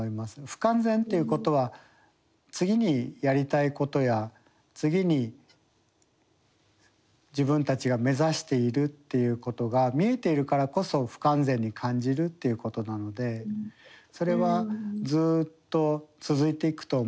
不完全っていうことは次にやりたいことや次に自分たちが目指しているっていうことが見えているからこそ不完全に感じるっていうことなのでそれはずっと続いていくと思うんです。